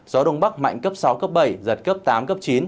gió đông bắc mạnh cấp sáu cấp bảy giật cấp tám cấp chín